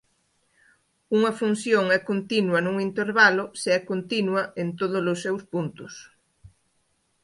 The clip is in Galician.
Unha función é continua nun intervalo se é continua en todos os seus puntos.